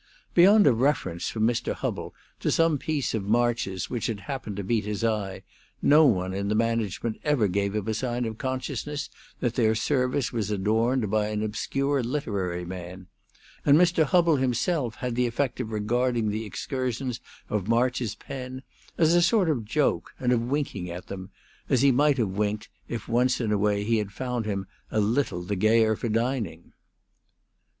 Beyond a reference from Mr. Hubbell to some piece of March's which had happened to meet his eye, no one in the management ever gave a sign of consciousness that their service was adorned by an obscure literary man; and Mr. Hubbell himself had the effect of regarding the excursions of March's pen as a sort of joke, and of winking at them; as he might have winked if once in a way he had found him a little the gayer for dining.